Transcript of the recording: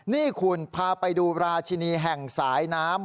นี่คุณพาไปดูราชินีแห่งสายน้ำ